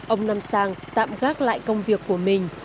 ông lâm sang tạm gác lại công việc của mình